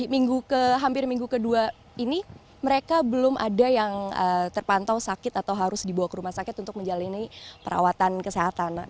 hampir minggu kedua ini mereka belum ada yang terpantau sakit atau harus dibawa ke rumah sakit untuk menjalani perawatan kesehatan